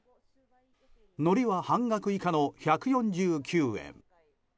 のりは半額以下の１４９円。